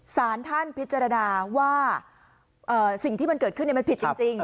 สารท่านพิจารณาว่าสิ่งที่มันเกิดขึ้นมันผิดจริง